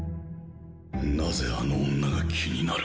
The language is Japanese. なぜあの女が気になる？